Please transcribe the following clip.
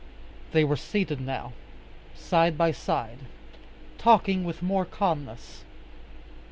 They were seated now, side by side, talking with more calmness.